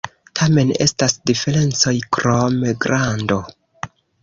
Tamen estas diferencoj krom grando.